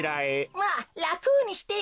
まあらくにしてよ。